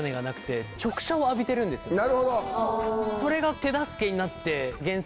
それが手助けになって。